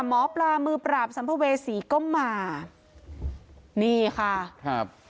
หมอปลามือปราบสัมภเวษีก็มานี่ค่ะครับ